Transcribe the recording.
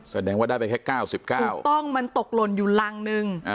แสดงว่าได้ไปแค่๙๙ถูกต้องมันตกหล่นอยู่รังนึง